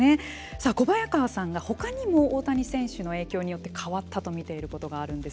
さあ、小早川さんが他にも大谷選手の影響によって変わったと見ていることがあるんです。